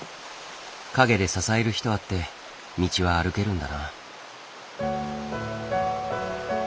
陰で支える人あって道は歩けるんだな。